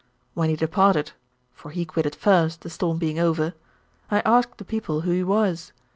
When he departed for he quitted first, the storm being over I asked the people who he was.